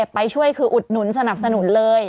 ไปช่วยคืออุดหนุนสนับสนุนเลย